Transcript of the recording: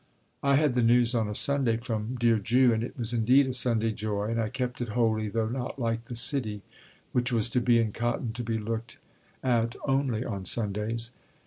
I had the news on a Sunday from dear Ju, and it was indeed a Sunday joy and I kept it holy, though not like the city, which was to be in cotton to be looked at only on Sundays.